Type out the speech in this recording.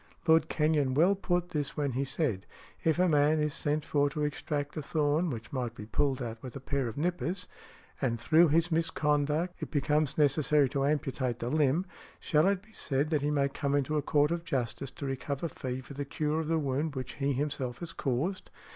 Lord Kenyon well put this when he said: "If a man is sent for to extract a thorn which might be pulled out with a pair of nippers, and through his misconduct it becomes necessary to amputate the limb, shall it be said, that he may come into a court of justice to recover fee for the cure of the wound which he himself has caused?"